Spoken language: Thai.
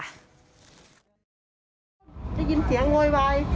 อ่ะเธอโว๊ยไว่อะไรแม่ร่างลุงแกอะ